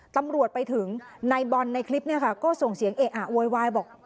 ตำรวจไปถึงนายบอลในคลิปเนี่ยค่ะก็ส่งเสียงเอะอะโวยวายบอก